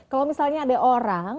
kalau misalnya ada orang